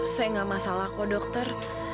saya nggak masalah dokter